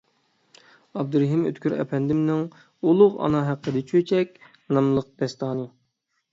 ئابدۇرېھىم ئۆتكۈر ئەپەندىمنىڭ «ئۇلۇغ ئانا ھەققىدە چۆچەك» ناملىق داستانى.